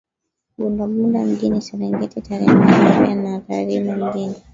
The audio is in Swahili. Bunda Bunda Mjini Serengeti Tarime Rorya na Tarime Mjini